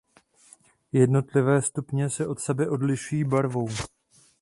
Jednotlivé stupně se od sebe odlišují i barvou.